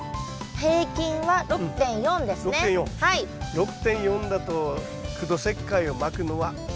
６．４だと苦土石灰をまくのはなし。